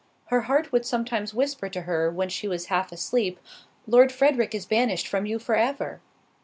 Her heart would sometimes whisper to her when she was half asleep, "Lord Frederick is banished from you for ever."